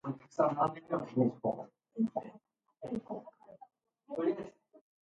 Metropolitan boroughs are a subdivision of a metropolitan county.